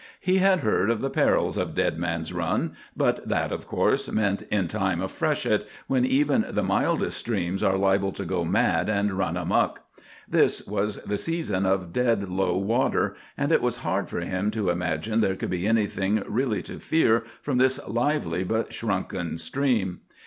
He had heard of the perils of Dead Man's Run, but that, of course, meant in time of freshet, when even the mildest streams are liable to go mad and run amuck. This was the season of dead low water, and it was hard for him to imagine there could be anything really to fear from this lively but shrunken stream.